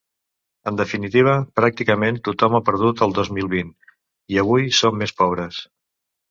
En definitiva, pràcticament tothom ha perdut el dos mil vint i avui som més pobres.